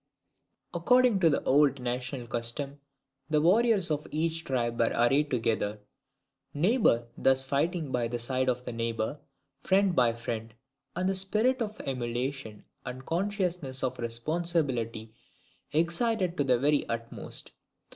According to old national custom, the warriors of each tribe were arrayed together; neighbour thus fighting by the side of neighbour, friend by friend, and the spirit of emulation and the consciousness of responsibility excited to the very utmost.